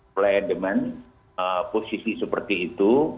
play demand posisi seperti itu